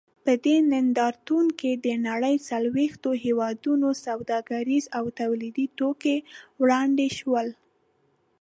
په دې نندارتون کې د نړۍ څلوېښتو هېوادونو سوداګریز او تولیدي توکي وړاندې شول.